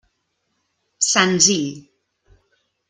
Senzill.